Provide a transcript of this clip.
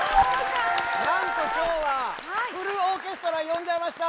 なんと今日はフルオーケストラ呼んじゃいました！